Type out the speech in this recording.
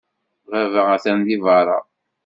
Baba atan deg beṛṛa.